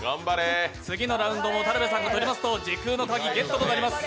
次のラウンドも田辺さんが取りますと、時空の鍵ゲットとなります。